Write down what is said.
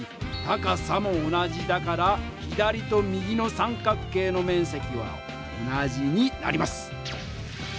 高さも同じだから左と右の三角形の面積は同じになります。